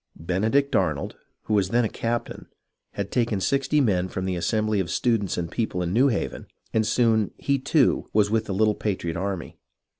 Benedict Arnold, who was then a captain, had taken sixty men from the assem bly of students and people in New Haven, and soon he, too, was with the little patriot army.